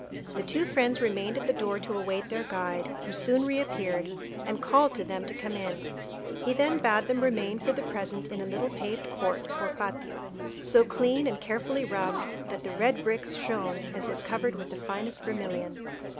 The two friends remained at the door to await their guide, who soon reappeared, and called to them to come in. He then bade them remain for the present in a little paved court, or patio, so clean and carefully rubbed that the red bricks shone as if covered with the finest vermilion.